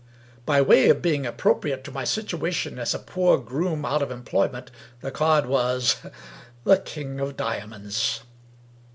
By way of being appropriate to my situation as a poor groom out of employment, the card was — ^the King of Diamonds.